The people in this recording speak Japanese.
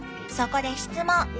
そこで質問。